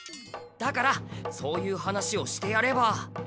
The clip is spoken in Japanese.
だからそういう話をしてやれば。